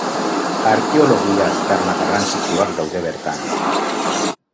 Arkeologia aztarna garrantzitsuak daude bertan.